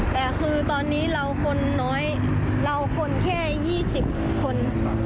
แต่คือตอนนี้เราคนน้อยเราคนแค่๒๐คน